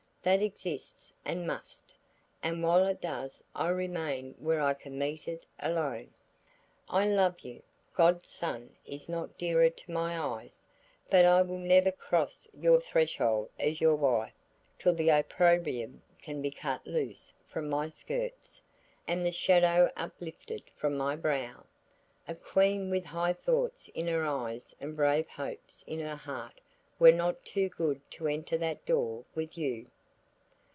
That exists and must, and while it does I remain where I can meet it alone. I love you; God's sun is not dearer to my eyes; but I will never cross your threshold as your wife till the opprobrium can be cut loose from my skirts, and the shadow uplifted from my brow. A queen with high thoughts in her eyes and brave hopes in her heart were not too good to enter that door with you.